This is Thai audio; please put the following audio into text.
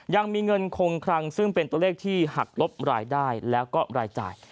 ยังมีเงินคงคลังซึ่งเป็นตัวเลขที่หักลบรายได้แล้วก็รายจ่าย